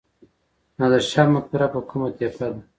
نادر شاه مقبره په کومه تپه ده؟